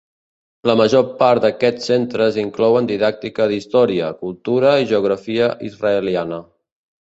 La major part d'aquests centres inclouen didàctica d'història, cultura i geografia israeliana.